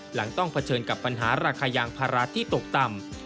หลังต้องเผชิญกับปัญหาราคายางภาระที่ตกต่ำ